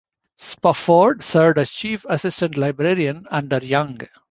Spofford served as Chief Assistant Librarian under Young.